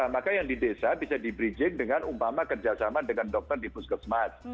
maka yang di desa bisa di bridging dengan umpama kerjasama dengan dokter di puskesmas